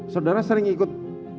saudara sering ikut